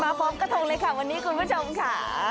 พร้อมกระทงเลยค่ะวันนี้คุณผู้ชมค่ะ